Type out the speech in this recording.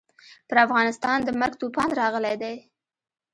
پر افغانستان د مرګ توپان راغلی دی.